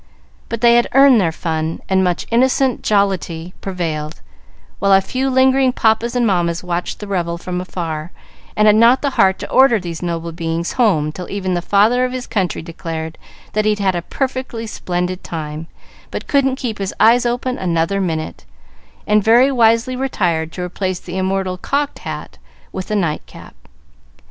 But they had earned their fun: and much innocent jollity prevailed, while a few lingering papas and mammas watched the revel from afar, and had not the heart to order these noble beings home till even the Father of his Country declared "that he'd had a perfectly splendid time, but couldn't keep his eyes open another minute," and very wisely retired to replace the immortal cocked hat with a night cap.